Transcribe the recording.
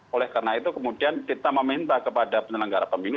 oleh karena itu kemudian kita meminta kepada penyelenggara pemilu